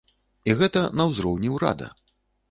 І гэта на ўзроўні ўрада.